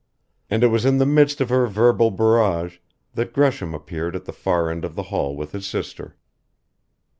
And it was in the midst of her verbal barrage that Gresham appeared at the far end of the hall with his sister.